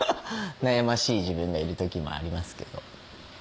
悩ましい自分がいる時もありますけど。